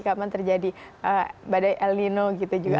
kapan terjadi badai el nino gitu juga